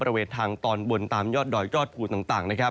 บริเวณทางตอนบนตามยอดดอยยอดภูต่าง